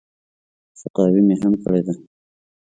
سقاوي مې هم کړې ده.